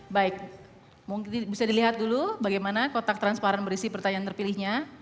baik mungkin bisa dilihat dulu bagaimana kotak transparan berisi pertanyaan terpilihnya